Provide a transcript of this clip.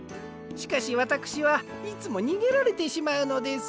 しかしわたくしはいつもにげられてしまうのです。